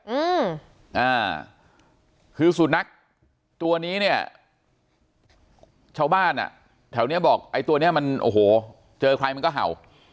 อืมอ่าคือสุนัขตัวนี้เนี่ยชาวบ้านอ่ะแถวเนี้ยบอกไอ้ตัวเนี้ยมันโอ้โหเจอใครมันก็เห่า